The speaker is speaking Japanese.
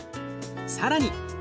更に。